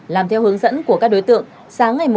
làm theo hướng dẫn của các đối tượng